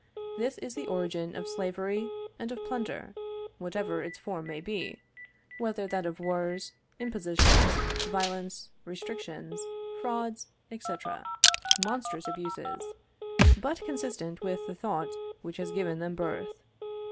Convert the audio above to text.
This is the origin of slavery and of plunder, whatever its form may be whether that of wars, impositions, violence, restrictions, frauds, &c. monstrous abuses, but consistent with the thought which has given them birth.